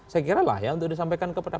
saya kira lah ya untuk disampaikan kepada